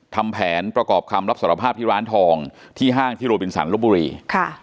ทำแผนประกอบคำรับสารภาพที่ร้านทองที่ห้างที่โรบินสันลบบุรีค่ะ